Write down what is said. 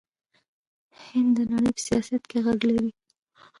هند د نړۍ په سیاست کې غږ لري.